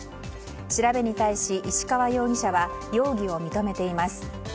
調べに対し、石川容疑者は容疑を認めています。